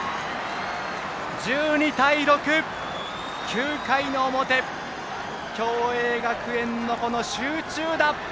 １２対６、９回の表共栄学園の集中打。